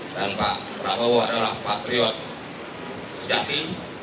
dan pak prabowo adalah patriot sejati